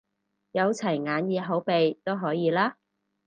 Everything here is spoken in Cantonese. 有齊眼耳口鼻都可以啦？